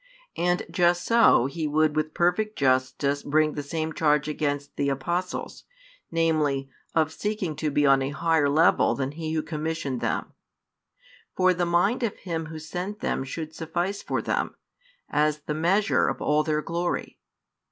And just so He would with perfect justice bring the same charge against the Apostles, namely, of seeking to be on a higher level than He Who commissioned them. For the mind of Him Who sent them should suffice for them, as the measure of all their glory.